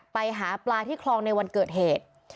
ไปหาปลาที่คลองในวันเกิดเหตุ